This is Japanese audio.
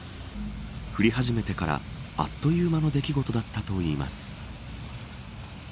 降り始めてから、あっという間の出来事だったといいます。